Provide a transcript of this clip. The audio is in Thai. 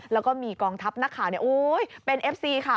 แล้วก็มีกองทัพนักข่าวเป็นเอฟซีค่ะ